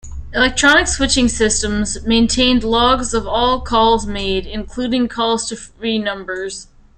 Electronic switching systems maintained logs of all calls made, including calls to free numbers.